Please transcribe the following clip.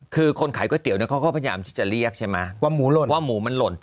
คือคนขายก๋วยเตี๋ยวเนี่ยก็ขยับพยายามจะเรียกใช่มั้ย